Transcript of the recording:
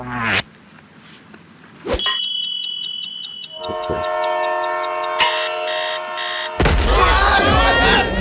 อ่า